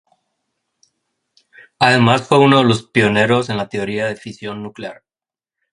Además fue uno de los pioneros en la teoría de fisión nuclear.